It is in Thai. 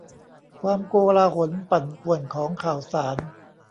ความโกลาหลปั่นป่วนของข่าวสาร